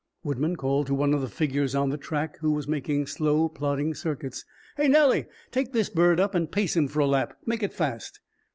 Woodman called to one of the figures on the track who was making slow, plodding circuits. "Hey, Nellie! Take this bird up and pace him for a lap. Make it fast."